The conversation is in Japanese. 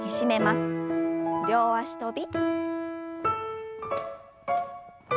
両脚跳び。